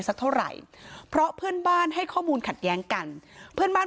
สักเท่าไหร่เพราะเพื่อนบ้าน